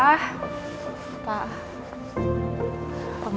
dikundi di kota lopeng